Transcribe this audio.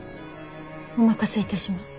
お任せいたします。